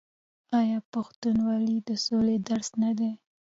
آیا پښتونولي د سولې درس نه دی؟